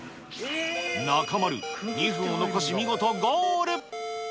中丸、２分を残し見事ゴール。